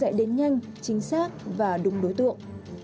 hỗ trợ sẽ đến nhanh chính xác và đúng đối tượng